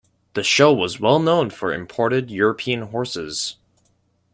The show was well known for imported European horses.